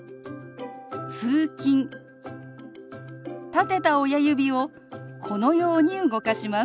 立てた親指をこのように動かします。